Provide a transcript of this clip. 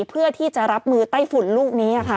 เพื่อที่จะรับมือไต้ฝุ่นลูกนี้